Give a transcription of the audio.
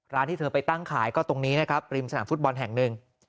ที่เธอไปตั้งขายก็ตรงนี้นะครับริมสนามฟุตบอลแห่งหนึ่ง